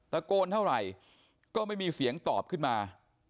โกนเท่าไหร่ก็ไม่มีเสียงตอบขึ้นมา